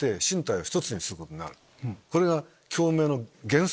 これが。